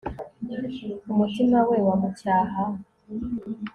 Umutima we wamucyaha